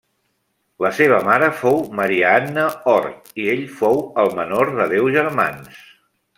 La seva mare fou Maria Anna Hort i ell fou el menor de deu germans.